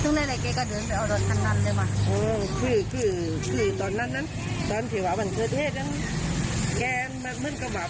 อ๋อคือคือคือตอนนั้นนั้นตอนเทวาวันเทือเทศนั้นแกมันก็แบบ